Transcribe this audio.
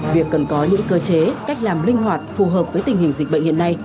việc cần có những cơ chế cách làm linh hoạt phù hợp với tình hình dịch bệnh hiện nay